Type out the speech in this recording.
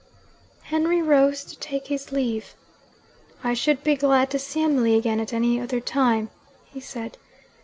Henry rose to take his leave. 'I should be glad to see Emily again at any other time,' he said.